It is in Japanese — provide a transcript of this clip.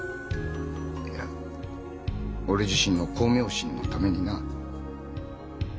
いや俺自身の功名心のためにな。